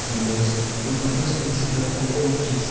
num bers) were the first principles of all things.